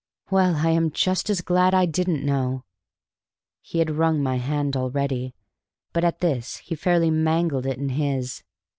"Well, I am just as glad I didn't know." He had wrung my hand already, but at this he fairly mangled it in his.